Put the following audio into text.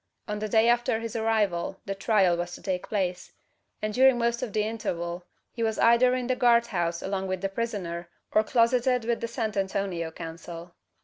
On the day after his arrival the trial was to take place; and during most of the interval he was either in the guard house along with the prisoner, or closeted with the San Antonio counsel.